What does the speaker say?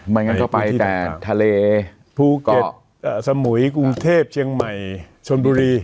งั้นก็ไปแต่ทะเลภูเก็ตสมุยกรุงเทพเชียงใหม่ชนบุรี